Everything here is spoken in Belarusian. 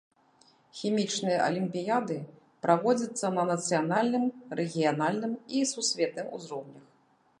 Хімічныя алімпіяды праводзяцца на нацыянальным, рэгіянальным і сусветным узроўнях.